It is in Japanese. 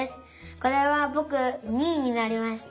これはぼく２いになりました。